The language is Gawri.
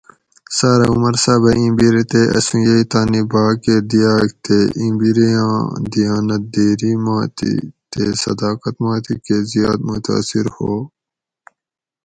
ساۤرہ عمر صاۤبہ ایں بیرے تے اسوں یئ تانی با کہ دیاگ تے ایں بیریاں دیانت دیری ما تھی تے صداقت ما تھی کہ زیات متاثر ھو